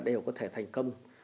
đều có thể thành công